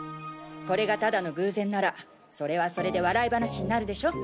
これがただの偶然ならそれはそれで笑い話になるでしょ？